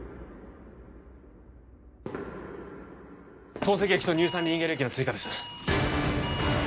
透析液と乳酸リンゲル液の追加です